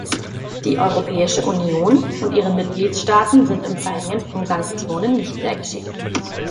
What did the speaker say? Die Europäische Union und ihre Mitgliedstaaten sind im Verhängen von Sanktionen nicht sehr geschickt.